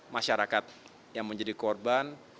masyarakat yang menjadi korban